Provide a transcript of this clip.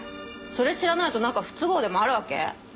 それ知らないと何か不都合でもあるわけ？